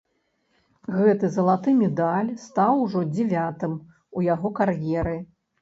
Гэты залаты медаль стаў ужо дзявятым у яго кар'еры.